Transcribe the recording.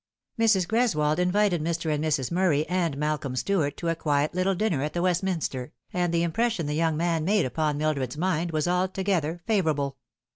Mrs. Greswold invited Mr. and Mrs. Murray and Malcolm Ftuart to a quiet little dinner at the Westminster, and the impression the young man made upon Mildred's mind was alto gether favourable.